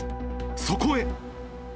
そこへ。